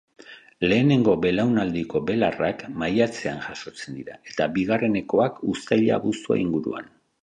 Lehenengo belaunaldiko beldarrak maiatzean jaiotzen dira, eta bigarrenekoak, uztaila-abuztua inguruan.